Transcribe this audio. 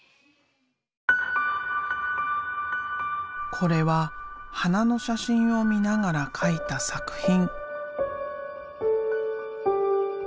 これは花の写真を見ながら描いた作品。